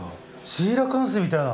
シーラカンスみたいな。